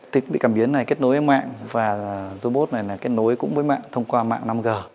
thiết bị cảm biến này kết nối với mạng và robot này kết nối cũng với mạng thông qua mạng năm g